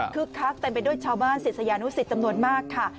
คักเต็มไปด้วยชาวบ้านศิษยานุสิตจำนวนมากค่ะ